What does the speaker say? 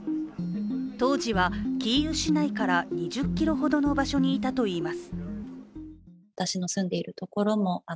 当時はキーウ市内から２０ｋｍほどの場所にいたといいます。